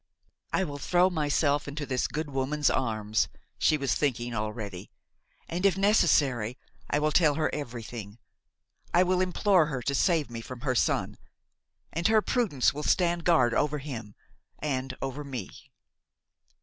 "I will throw myself into this good woman's arms," she was thinking already, "and, if necessary, I will tell her everything. I will implore her to save me from her son, and her prudence will stand guard over him and over me."